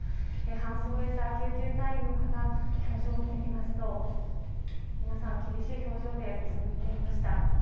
搬送を終えた救急隊員の方の表情を見てみますと皆さん、厳しい表情でうつむいていました。